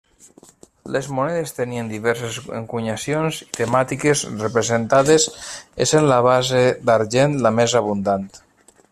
Les monedes tenien diverses encunyacions i temàtiques representades, essent la base d'argent la més abundant.